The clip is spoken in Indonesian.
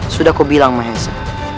sudah kau bilang maesha